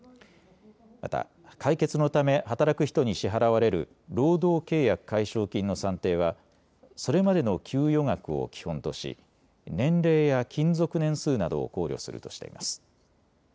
また解決のため働く人に支払われる労働契約解消金の算定はそれまでの給与額を基本とし年齢や勤続年数などを考慮するとしています。